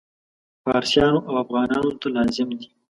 فارسیانو او افغانانو ته لازم دي.